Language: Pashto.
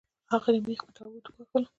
اخري مېخ یې په تابوت ووهلو